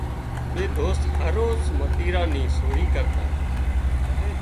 ٻي دوست هروز متيران ني سوري ڪرتا